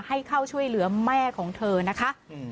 ให้เข้าช่วยเหลือแม่ของเธอนะคะ